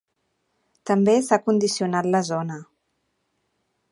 També s'ha condicionat la zona.